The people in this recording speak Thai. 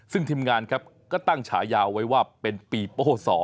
ซึ่งทีมงานตั้งฉายาวไว้ว่าเป็นปีโป้๒